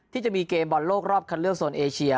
ที่จะมีเกมบอลโลกรอบคันเลือกโซนเอเชีย